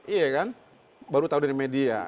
iya kan baru tahu dari media